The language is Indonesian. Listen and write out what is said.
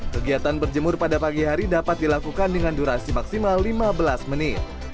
kegiatan berjemur pada pagi hari dapat dilakukan dengan durasi maksimal lima belas menit